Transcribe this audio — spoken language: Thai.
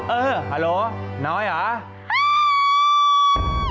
เออฮัลโหลน้อยหรอ